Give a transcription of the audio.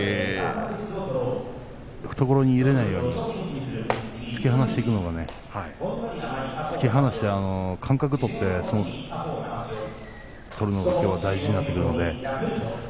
やはり懐に入れないように突き放していくのが間隔を取って相撲を取るのがきょうは大事になってきます。